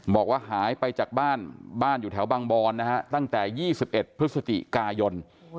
บอกว่าหายไปจากบ้านบ้านอยู่แถวบางบอนนะฮะตั้งแต่๒๑พฤศจิกายน